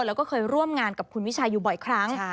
แล้วก็เคยร่วมงานกับคุณวิชัยอยู่บ่อยครั้ง